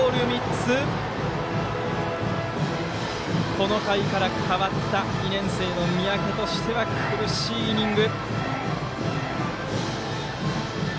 この回から代わった２年生の三宅としては苦しいイニング。